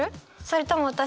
それとも私？」